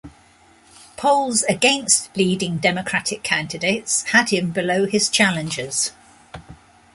Polls against leading Democratic candidates had him below his challengers.